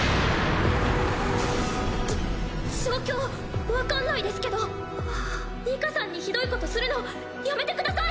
じょ状況分かんないですけどニカさんにひどいことするのやめてください。